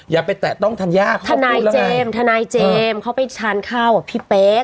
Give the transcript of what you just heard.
อย่าไปแตะต้องธัญญาเขาพูดแล้วไงธนายเจมส์เขาไปทานข้าวกับพี่เป๊ก